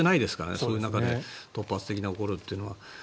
そういう中で突発的に起こるってことは。